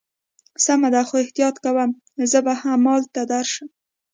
سمه ده، خو احتیاط کوه، زه به همالته درشم.